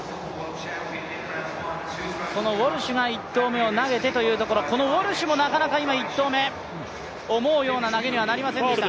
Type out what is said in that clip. そのウォルシュが１投目を投げてというところこのウォルシュもなかなか１投目、思うような投げにはなりませんでした。